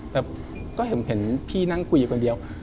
แต่ก็เห็นพี่นั่งคุยอยู่คนเดียว